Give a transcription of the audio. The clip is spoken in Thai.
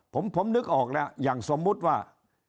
ผมนึกออกแล้วอย่างสมมุติว่า